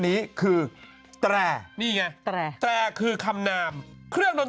พี่หนุ่มก็รู้จัก